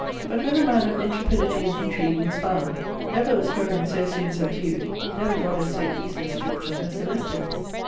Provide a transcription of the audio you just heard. But when the man of intrepidity and intrigue was found, never was heroine so soon subdued, never goddess so easily stript of her celestials!